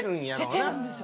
出てるんですよ。